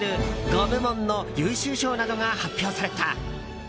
５部門の優秀賞などが発表された。